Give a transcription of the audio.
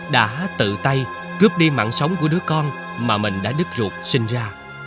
đã tự tay cướp đi mạng sống của đứa con mà mình đã đức ruột sinh ra